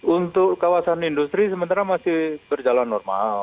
untuk kawasan industri sementara masih berjalan normal